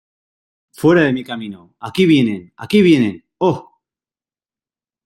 ¡ Fuera de mi camino! ¡ aquí vienen !¡ aquí vienen !¡ oh !